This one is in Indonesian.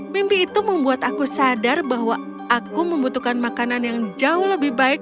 mimpi itu membuat aku sadar bahwa aku membutuhkan makanan yang jauh lebih baik